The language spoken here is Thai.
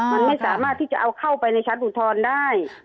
มันไม่สามารถที่จะเอาเข้าไปในชั้นอุทธรณ์ได้